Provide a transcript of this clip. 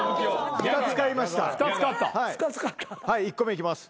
はい１個目いきます。